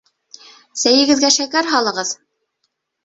Сәйегеҙгә шәкәр һалығыҙ!